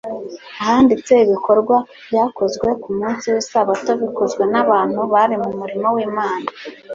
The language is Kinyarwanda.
ahanditse ibikorwa byakozwe ku munsi w'lsabato bikozwe n'abantu bari mu murimo w'Imana.